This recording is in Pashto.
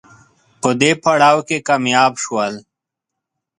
په دې پړاو کې کامیاب شول